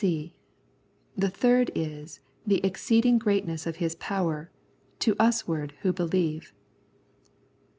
(c) The third is " the exceeding greatness of His power to us ward who believe."